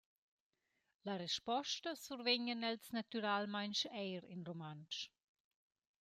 «La resposta survegnan els natüralmaing eir in rumantsch.»